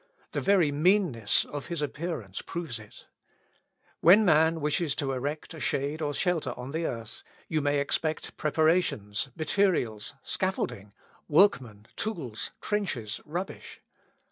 The very meanness of his appearance proves it. When man wishes to erect a shade or shelter on the earth, you may expect preparations, materials, scaffolding, workmen, tools, trenches, rubbish.